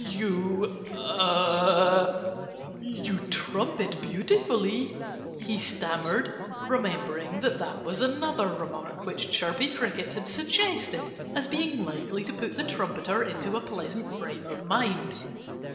"You er you trumpet beautifully," he stammered, remembering that that was another remark which Chirpy Cricket had suggested as being likely to put the trumpeter into a pleasant frame of mind.